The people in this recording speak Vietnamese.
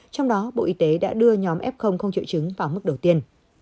trong đó bộ y tế đã đưa nhóm f không triệu chứng vào mức đầu tiên